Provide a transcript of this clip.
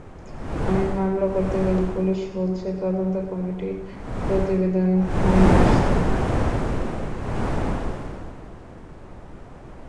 আমি মামলা করতে গেলে পুলিশ বলছে তদন্ত কমিটির প্রতিবেদন নিয়ে আসেন।